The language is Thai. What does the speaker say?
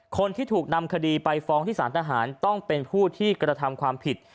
คนที่ถูกนำคดีไปฟ้องที่สารทหารต้องเป็นผู้ที่กระทำความผิด